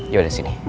ya udah sini